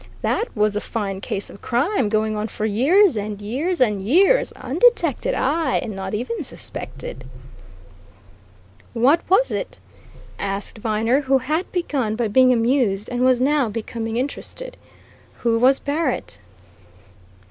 That was a fine case of crime going on for years and years and years, undetected aye, and not even suspected!" "What was it?" asked Viner, who had begun by being amused and was now becoming interested. "Who was Barrett?"